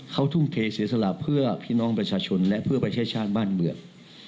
เขาทุ่มเทเสียสละเพื่อพี่น้องประชาชนและเพื่อประเทศชาติบ้านเมือง